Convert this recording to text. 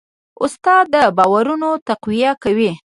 استاد د باورونو تقویه کوي.